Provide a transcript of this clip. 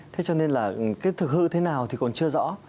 thế cho nên là cái thực hư thế nào thì còn chưa rõ